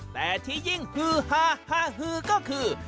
แต่ที่ยิ่งฮือฮาฮาฮือก็คือ